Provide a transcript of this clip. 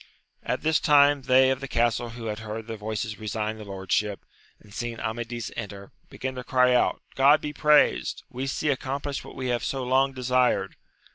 At this time they of the castle who had heard the voices resign the lordship, and seen Amadifi enter, began to cry out, God be praised, we see accomplished what we have so long desired.